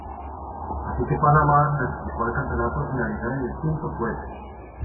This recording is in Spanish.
Así que Panamá clasificó al campeonato al finalizar en el quinto puesto.